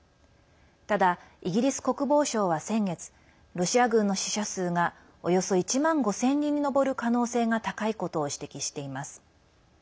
ただ、イギリス国防省は先月ロシア軍の死者数がおよそ１万５０００人に上る可能性が高いことを指摘しています。